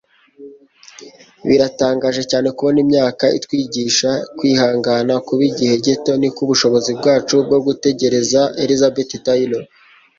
biratangaje cyane kubona imyaka itwigisha kwihangana - kuba igihe gito, niko ubushobozi bwacu bwo gutegereza. - elizabeth taylor